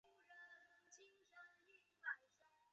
是国际法院成立以来首位华人院长。